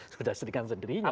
sudah sedikan sendirinya